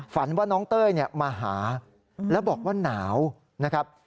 ฝันว่าน้องเต้ยมาหาแล้วบอกว่าหนาวนะครับ